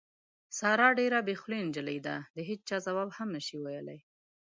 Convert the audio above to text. ساره ډېره بې خولې نجیلۍ ده، د هېچا ځواب هم نشي کولی.